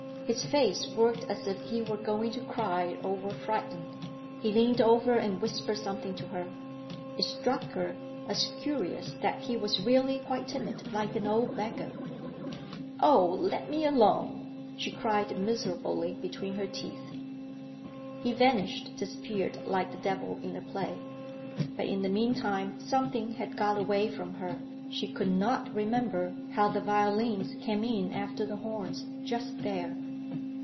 His face worked as if he were going to cry or were frightened. He leaned over and whispered something to her. It struck her as curious that he was really quite timid, like an old beggar. "Oh, let me Alone!" she cried miserably between her teeth. He vanished, disappeared like the Devil in a play. But in the mean time something had got away from her; she could not remember how the violins came in after the horns, just there.